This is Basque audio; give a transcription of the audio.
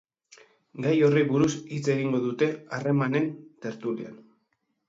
Gai horri buruz hitz egingo dute harramenen tertulian.